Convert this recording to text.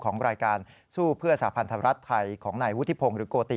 ของรายการสู้เพื่อสาพันธรัฐไทยของนายวุฒิพงศ์หรือโกติ